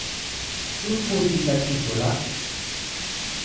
कुन फोन किन्दा ठीक होला?